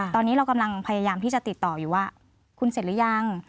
ตอนนี้เรากำลังพยายามที่จะติดต่ออยู่ว่าคุณเสร็จหรือยัง